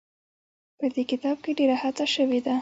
په دې کتاب کې ډېره هڅه شوې ده.